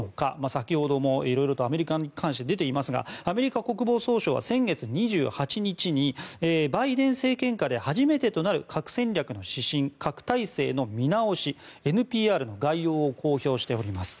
先ほどもいろいろとアメリカに関して出ていますがアメリカ国防総省は先月２８日にバイデン政権下で初めてとなる核戦略の指針核態勢の見直し・ＮＰＲの概要を公表しております。